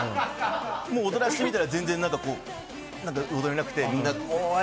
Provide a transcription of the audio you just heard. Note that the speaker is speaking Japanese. もう、躍らせてみたら全然踊れなくて、おい！